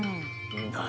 何？